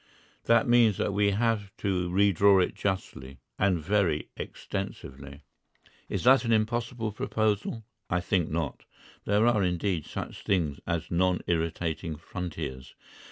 That means that we have to redraw it justly. And very extensively. Is that an impossible proposal? I think not. There are, indeed, such things as non irritating frontiers.